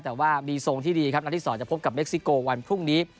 แต่ว่ามีทรงที่ดีครับนัดที่๒จะพบกับเม็กซิโกวันพรุ่งนี้